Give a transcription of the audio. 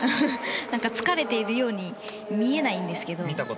疲れているように見えないんですけど。